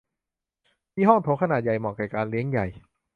มีห้องโถงขนาดใหญ่ เหมาะแก่การเลี้ยงใหญ่